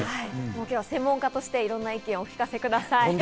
今日は専門家として、いろんなお話をお聞かせください。